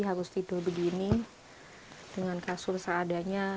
harus tidur begini dengan kasur seadanya